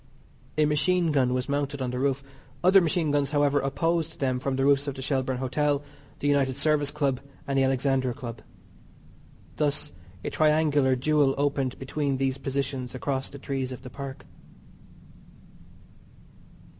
A machine gun was mounted on the roof; other machine guns, however, opposed them from the roofs of the Shelbourne Hotel, the United Service Club, and the Alexandra Club. Thus a triangular duel opened between these positions across the trees of the Park.